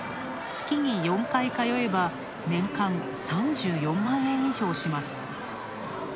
月に４回通えば、年間３４万円以上します。